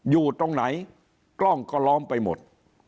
อยู่ตรงไหนกล้องก็ล้อมไปหมด